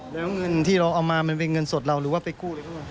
แล้วเงินที่เราเอามามันเป็นเงินสดเราหรือว่าไปกู้อะไรบ้าง